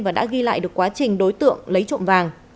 và đã ghi lại được quá trình đối tượng lấy trộm vàng